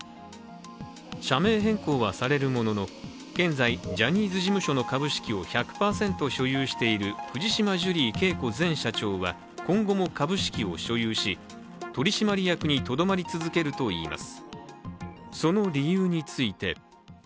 社名変更はされるものの、現在、ジャニーズ事務所の株式を１００％保有している藤島ジュリー景子前社長は今後も株式を所有し、取締役にとどまり続けるといいます。